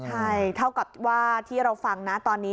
ใช่เท่ากับว่าที่เราฟังนะตอนนี้